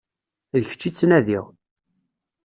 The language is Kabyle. D kečč i ttnadiɣ.